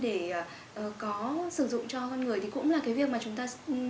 để có sử dụng cho con người thì cũng là cái việc mà chúng ta